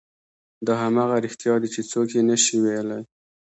دا همغه رښتیا دي چې څوک یې نه شي ویلی.